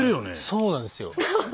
そうなんですよ。